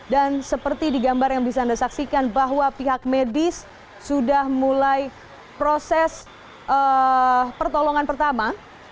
dan seperti digambar yang bisa anda saksikan bahwa pihak medis sudah mulai proses pertolongan pertama